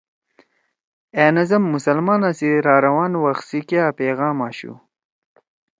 أ نظم مسلمانا سی راروان وخ سی کیا پیغام آشُو